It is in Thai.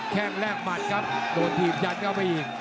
แค่งแลกหมัดครับโดนถีบยัดเข้าไปอีก